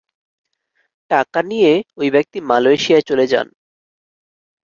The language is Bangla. টাকা নিয়ে ওই ব্যক্তি মালয়েশিয়ায় চলে যান।